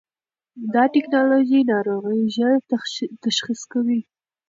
دا ټېکنالوژي ناروغي ژر تشخیص کوي.